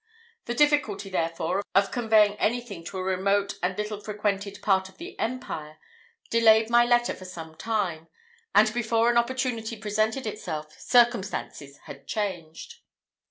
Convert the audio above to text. The difficulty, therefore, of conveying anything to a remote and little frequented part of the empire delayed my letter for some time; and before an opportunity presented itself, circumstances had changed.